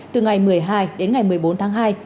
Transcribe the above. từ ngày một mươi hai đến ngày một mươi bốn tháng hai